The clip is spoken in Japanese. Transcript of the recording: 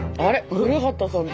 古畑さんだ。